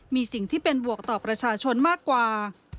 มีสิ่งที่เป็นบวกต่อประชาชนมากกว่า